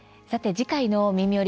次回の「みみより！